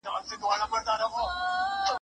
انځور جوړول یاد ښه کوي.